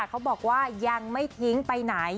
เขาบอกว่ายังไม่ทิ้งไปไหน